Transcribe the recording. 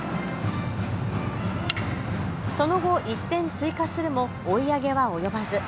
その後１点追加するも追い上げは及ばず。